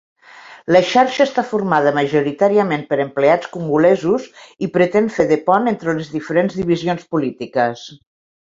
La xarxa està formada majoritàriament per empleats congolesos i pretén fer de pont entre les diferents divisions polítiques.